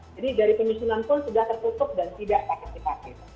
jadi dari penyusunan pun sudah tertutup dan tidak partisipasi